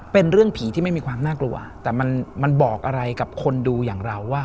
เป็นเรื่องผีที่ไม่มีความน่ากลัวแต่มันมันบอกอะไรกับคนดูอย่างเราว่า